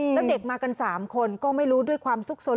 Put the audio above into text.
แล้วเด็กมากัน๓คนก็ไม่รู้ด้วยความสุขสน